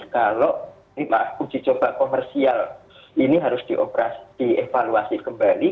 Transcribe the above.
kalau uji coba komersial ini harus dievaluasi kembali